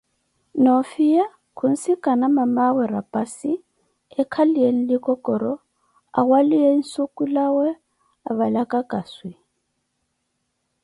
Nó fiya khunssikana mamawe rapassi ekaliye nlikokoroh, awaliye nshuki lawee avalakaka swi